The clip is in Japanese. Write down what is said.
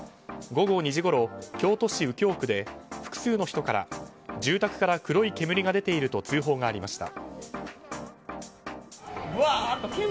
午後２時ごろ、京都市右京区で複数の人から住宅から黒い煙が出ていると通報がありました。